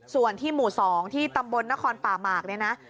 ส่วนที่หมู่๒ที่ตำบลนครป่าหมากเนี่ยนะ